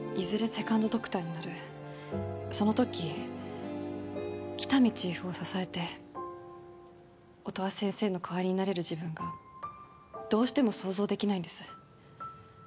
セカンドドクターになるその時喜多見チーフを支えて音羽先生の代わりになれる自分がどうしても想像できないんです